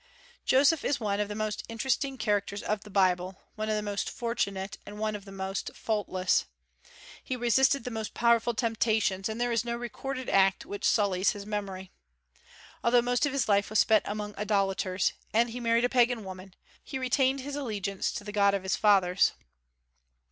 Joseph is one of the most interesting characters of the Bible, one of the most fortunate, and one of the most faultless. He resisted the most powerful temptations, and there is no recorded act which sullies his memory. Although most of his life was spent among idolaters, and he married a pagan woman, he retained his allegiance to the God of his fathers.